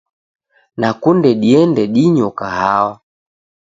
Nakunde diende dinyo kahawa.